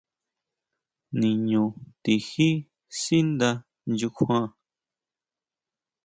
Niño tijí sínda nyukjuana.